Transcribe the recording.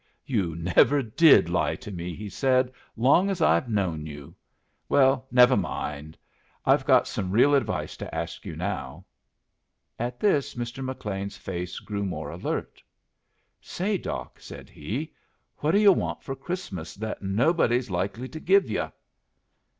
"You never did lie to me," he said, "long as I've known you. Well, never mind. I've got some real advice to ask you now." At this Mr. McLean's face grew more alert. "Say Doc," said he, "what do yu' want for Christmas that nobody's likely to give yu'?"